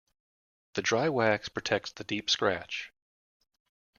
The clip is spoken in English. The dry wax protects the deep scratch.